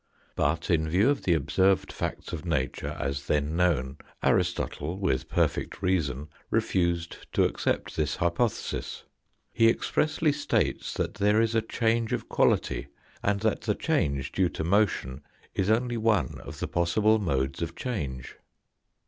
But in view of the observed facts of nature as then known, Aristotle, with perfect reason, refused to accept this hypothesis. He expressly states that there is a change of quality, and that the change due to motion is only one of the possible modes of change.